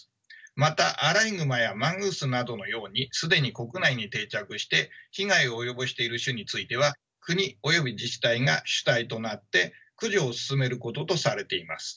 またアライグマやマングースなどのように既に国内に定着して被害を及ぼしている種については国および自治体が主体となって駆除を進めることとされています。